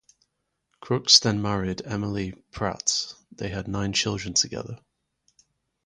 Crooks then married Emilie Pratte, they had nine children together.